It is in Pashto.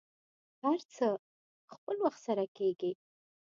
هر څه په خپل وخت سره کیږي.